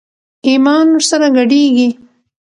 ايمان ور سره ګډېږي.